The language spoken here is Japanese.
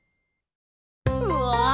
うわ！